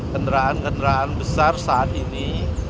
kendaraan kendaraan besar saat ini